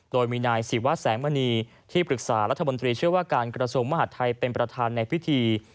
โดยมีนายศิวะแสงมณีที่ปรึกษารัฐมนตรีเชื่อว่าการกระทรวงมหาดไทยเป็นประธานในพิธี